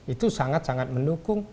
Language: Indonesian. itu sangat sangat mendukung